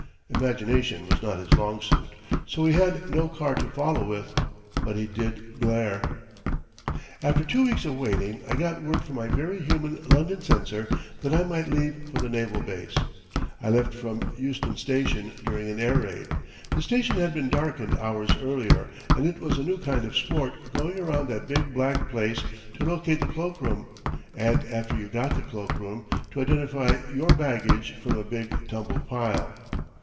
Imagination was not his long suit, so he had no card to follow with. But he did glare. After two weeks of waiting I got word from my very human London censor that I might leave for the naval base. I left from Euston Station during an air raid. The station had been darkened hours earlier, and it was a new kind of sport going around that big black place to locate the cloak room, and after you got the cloak room to identify your baggage from a big tumbled pile.